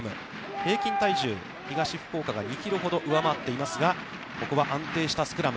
平均体重では東福岡が２キロほど上回っていますが、ここは安定したスクラム。